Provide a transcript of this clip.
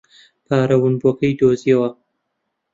پارە ونبووەکەی دۆزییەوە.